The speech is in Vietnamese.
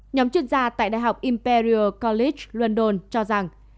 nhóm chuyên gia tại đại học imperial colut london cho rằng